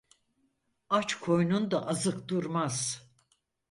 Aç koynunda azık durmaz.